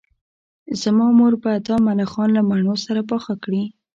زما مور به دا ملخان له مڼو سره پاخه کړي